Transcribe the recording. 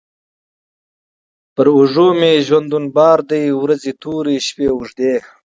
پر اوږو مي ژوندون بار دی ورځي توري، شپې اوږدې